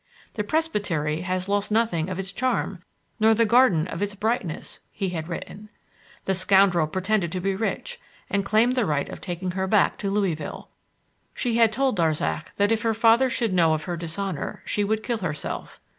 "The presbytery has lost nothing of its charm, nor the garden its brightness," he had written. The scoundrel pretended to be rich and claimed the right of taking her back to Louisville. She had told Darzac that if her father should know of her dishonour, she would kill herself.